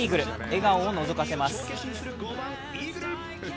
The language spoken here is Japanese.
笑顔をのぞかせます。